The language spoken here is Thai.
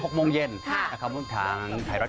มาของเราครับก็อย่าลืมดูกันครับ